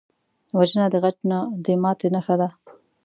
وژنه د غچ نه، د ماتې نښه ده